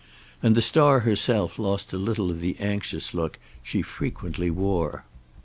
And the star herself lost a little of the anxious look she frequently wore.